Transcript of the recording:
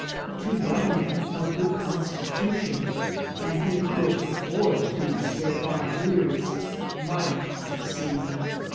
Two young men of good constitution, and who could afford to spare five years, might succeed.